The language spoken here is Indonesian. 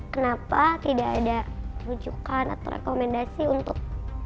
kenapa tidak ada rujukan atau rekomendasi untuk